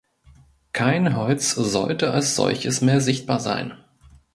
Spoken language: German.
Kein Holz sollte als solches mehr sichtbar sein.